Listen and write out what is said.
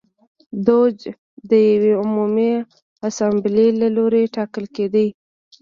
دوج د یوې عمومي اسامبلې له لوري ټاکل کېده.